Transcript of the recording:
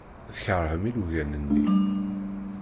Tkeṛhem ilugan-nni.